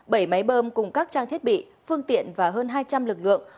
bảy máy bơm cùng các trang thiết bị phương tiện và hơn hai trăm linh lực lượng